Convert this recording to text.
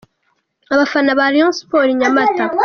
Abafana ba Rayon Sports i Nyamata.